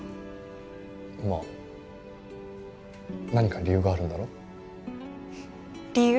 まあ何か理由があるんだろ？理由？